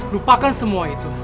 lupakan semua itu